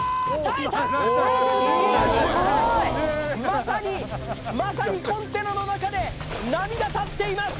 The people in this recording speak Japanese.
まさにまさにコンテナの中で波が立っています